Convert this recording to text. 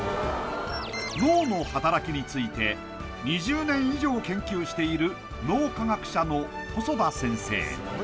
脳の働きについて２０年以上研究している脳科学者の細田先生